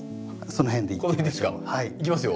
いきますよ？